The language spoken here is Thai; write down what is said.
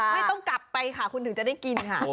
ไม่ต้องกลับไปค่ะคุณถึงจะได้กินค่ะ